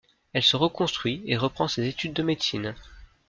Elle se reconstruit et reprend ses études de médecine.